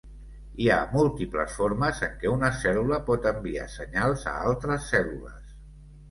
Hi ha múltiples formes en que una cèl·lula pot enviar senyals a altres cèl·lules.